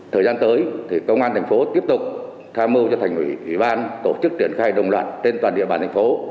thời gian tới công an thành phố tiếp tục tham mưu cho thành ủy ban tổ chức triển khai đồng loạn trên toàn địa bàn thành phố